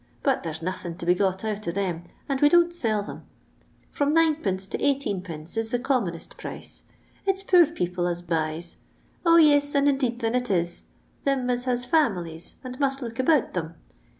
but there's nothing to be got out of them, and we don't sell them. From 9tf. to 18cf. is the commonest price. It's poor people as buys: 0, yis, and indeed thin it is, thim as has famines, and must look about thim.